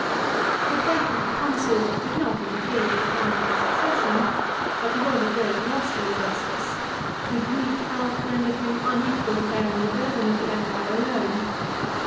§ 6. The death of the consort did not interfere with the plan for the succession, but he was a great loss to Augustus, whose weak health rendered him unequal to bearing the burden of the Empire alone.